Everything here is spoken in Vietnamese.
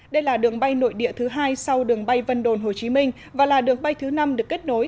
đây là đường bay nội địa thứ hai sau đường bay vân đồn hồ chí minh và là đường bay thứ năm được kết nối